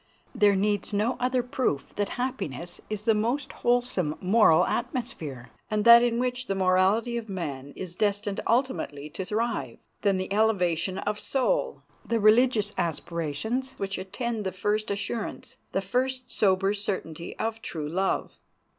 There needs no other proof that happiness is the most wholesome moral atmosphere, and that in which the morality of man is destined ultimately to thrive, than the elevation of soul, the religious aspirations which attend the first assurance, the first sober certainty of true love.